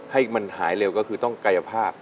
ให้มันหายเร็วก็คือต้องกายภาพ